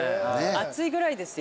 暑いぐらいですよ。